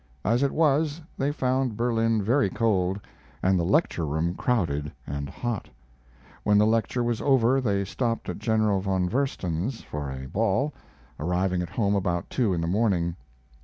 As it was, they found Berlin very cold and the lecture room crowded and hot. When the lecture was over they stopped at General von Versen's for a ball, arriving at home about two in the morning.